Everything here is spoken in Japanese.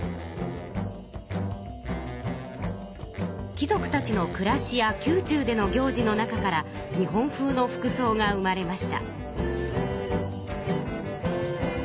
貴族たちのくらしや宮中での行事の中から日本風の服そうが生まれました。